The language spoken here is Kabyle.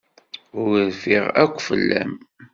Ur rfiɣ akk fell-am.